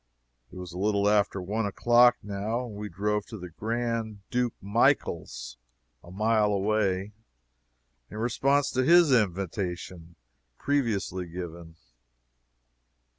It was a little after one o'clock, now. We drove to the Grand Duke Michael's, a mile away, in response to his invitation, previously given.